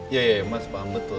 iya mas paham betul